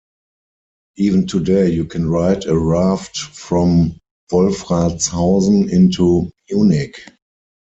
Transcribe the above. Even today, you can ride a raft from Wolfratshausen into Munich.